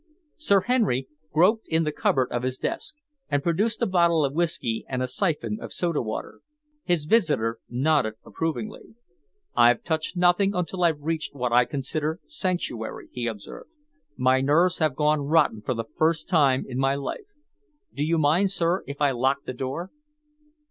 Sir Henry groped in the cupboard of his desk, and produced a bottle of whisky and a syphon of soda water. His visitor nodded approvingly. "I've touched nothing until I've reached what I consider sanctuary," he observed. "My nerves have gone rotten for the first time in my life. Do you mind, sir, if I lock the door?"